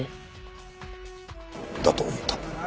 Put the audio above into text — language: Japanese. だと思った。